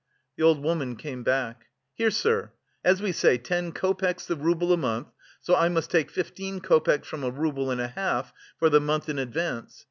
The old woman came back. "Here, sir: as we say ten copecks the rouble a month, so I must take fifteen copecks from a rouble and a half for the month in advance.